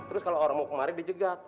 terus kalau orang mau kemari dia jegat